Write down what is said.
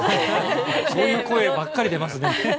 そういう声ばっかり出ますね。